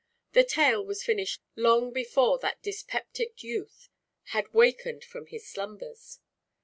The tale was finished long before that dyspeptic youth had wakened from his slumbers.